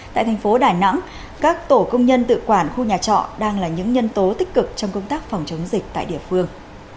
tại thành phố đà nẵng các tổ công nhân tự quản khu nhà trọ đang là những nhân tố tích cực trong công tác phòng chống dịch tại địa phương